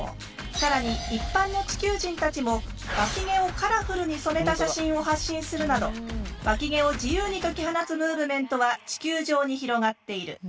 更に一般の地球人たちもわき毛をカラフルに染めた写真を発信するなどわき毛を自由に解き放つムーブメントは地球上に広がっている。